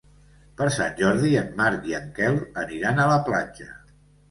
Per Sant Jordi en Marc i en Quel aniran a la platja.